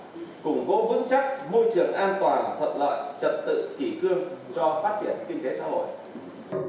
củng vô vững chắc môi trường an toàn thật lợi trật tự kỷ cương cho phát triển kinh tế xã hội